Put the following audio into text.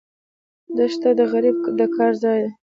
دښته د غریب د کار ځای ده.